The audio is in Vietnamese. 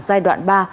giai đoạn ba